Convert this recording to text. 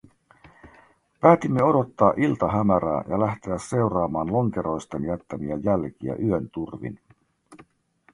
Päätimme odottaa iltahämärää ja lähteä seuraamaan lonkeroisten jättämiä jälkiä yön turvin.